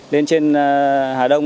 lên trên hà đông